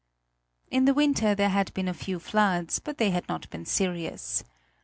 In the winter there had been a few floods; but they had not been serious.